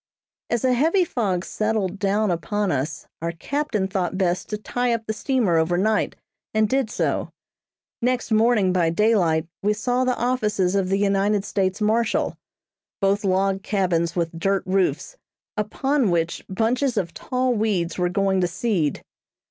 As a heavy fog settled down upon us, our captain thought best to tie up the steamer over night, and did so. Next morning by daylight we saw the offices of the United States marshal; both log cabins with dirt roofs, upon which bunches of tall weeds were going to seed.